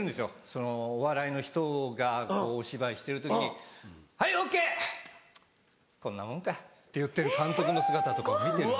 そのお笑いの人がお芝居してる時に「はいＯＫ！こんなもんか」って言ってる監督の姿とか見てるんで。